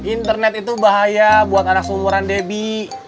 internet itu bahaya buat anak seumuran debbie